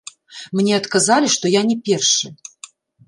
Мне адказалі, што я не першы.